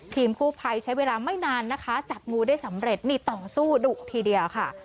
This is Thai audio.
กู้ภัยใช้เวลาไม่นานนะคะจับงูได้สำเร็จนี่ต่อสู้ดุทีเดียวค่ะ